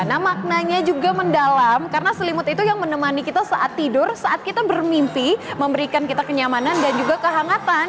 nah maknanya juga mendalam karena selimut itu yang menemani kita saat tidur saat kita bermimpi memberikan kita kenyamanan dan juga kehangatan